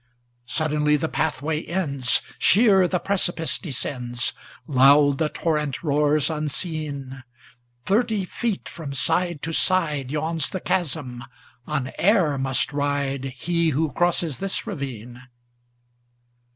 Suddenly the pathway ends, Sheer the precipice descends, Loud the torrent roars unseen; Thirty feet from side to side Yawns the chasm; on air must ride He who crosses this ravine.